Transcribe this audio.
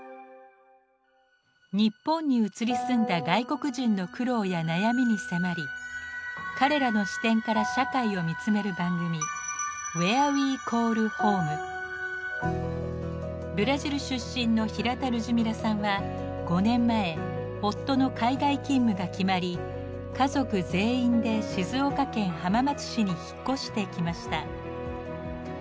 日本に移り住んだ外国人の苦労や悩みに迫り彼らの視点から社会を見つめる番組ブラジル出身の平田ルジミラさんは５年前夫の海外勤務が決まり家族全員で静岡県浜松市に引っ越してきました。